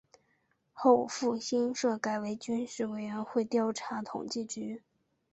后复兴社改为军事委员会调查统计局。